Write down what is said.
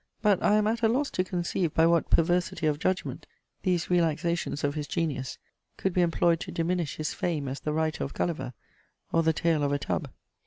But I am at a loss to conceive by what perversity of judgment, these relaxations of his genius could be employed to diminish his fame as the writer of Gulliver, or the Tale of a Tub.